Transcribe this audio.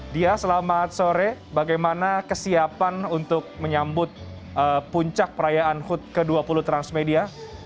dia selamat sore bagaimana kesiapan untuk menyambut puncak perayaan hut ke dua puluh transmedia